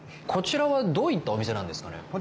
こちらはどういったお店なんですかね？